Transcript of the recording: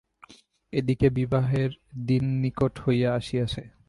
এ দিকে বিবাহের দিন নিকট হইয়া আসিয়াছে।